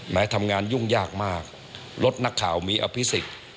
แม้ทำงานยุ่งยากมากรถนักข่าวมีอภิษฐิกษ์